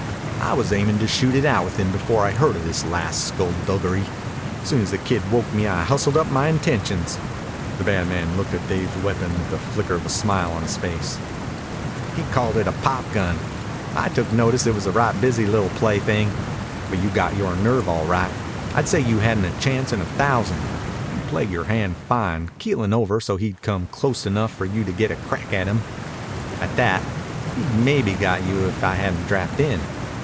"I was aimin' to shoot it out with him before I heard of this last scullduggery. Soon as the kid woke me I hustled up my intentions." The bad man looked at Dave's weapon with the flicker of a smile on his face. "He called it a popgun. I took notice it was a right busy li'l' plaything. But you got yore nerve all right. I'd say you hadn't a chance in a thousand. You played yore hand fine, keelin' over so's he'd come clost enough for you to get a crack at him. At that, he'd maybe 'a' got you if I hadn't drapped in."